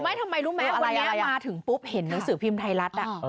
ทำไมรู้ไหมวันนี้มาถึงปุ๊บเห็นหนังสือพิมพ์ไทยรัฐ